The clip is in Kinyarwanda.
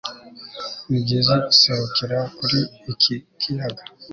ni byiza guserukira kuri iki kiyaga